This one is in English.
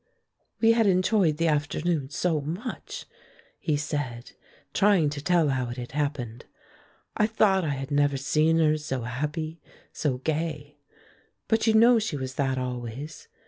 "We had enjoyed the afternoon so much," he said, trying to tell how it had happened. "I thought I had never seen her so happy, so gay, but you know she was that always.